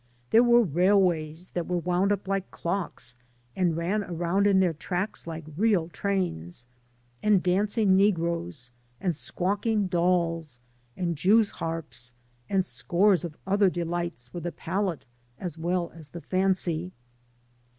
There were railways that were wound up like clocks and ran around in their tracks like real trains, and dancing negroes, and squawking dolls, and jews' harps, and scores of other delights for the palate as well as the fancy.